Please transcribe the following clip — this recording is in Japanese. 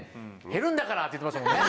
「減るんだから」って言ってましたもんね。